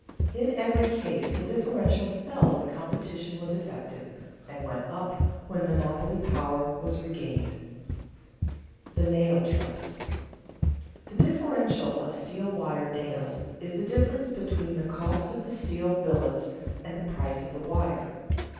In every case the differential fell when competition was effective and went up when monopoly power was regained. [Sidenote: The nail trust] The differential of steel wire nails is the difference between the cost of the steel billets and the price of the wire.